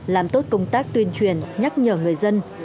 làm tốt công tác tuyên truyền nhắc nhở người dân